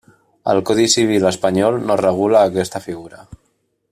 El codi civil espanyol no regula aquesta figura.